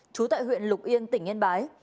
chú tại huyện lục yên tỉnh yên bái